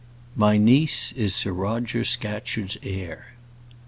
My niece is Sir Roger Scatcherd's heir."